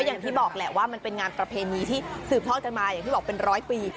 อย่างที่บอกแหละว่ามันเป็นงานประเพณีที่สืบทอดกันมาอย่างที่บอกเป็นร้อยปี